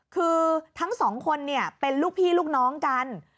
คือทั้งสองคนเป็นลูกพี่ลูกน้องกัน